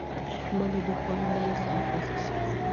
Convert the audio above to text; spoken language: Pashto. ما له دوکانه نوی ساعت واخیست.